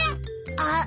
あっ！